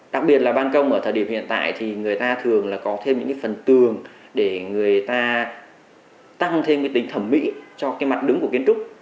đặc biệt là ban công ở thời điểm hiện tại thì người ta thường là có thêm những cái phần tường để người ta tăng thêm cái tính thẩm mỹ cho cái mặt đứng của kiến trúc